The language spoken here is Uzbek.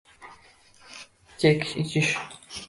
— Chekish, ichish...